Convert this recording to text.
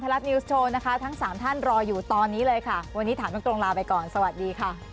โปรดติดตามตอนต่อไป